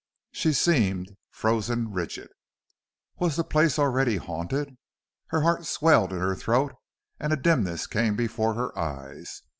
She seemed frozen rigid. Was the place already haunted? Her heart swelled in her throat and a dimness came before her eyes.